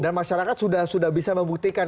dan masyarakat sudah bisa membuktikan